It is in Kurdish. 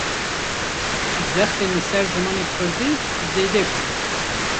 Zextên li ser zimanê Kurdî, zêde bûn